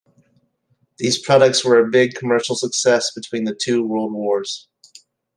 These products were a big commercial success between the two world wars.